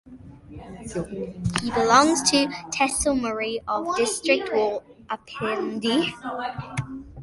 He belongs to Tehsil Murree of District Rawalpindi.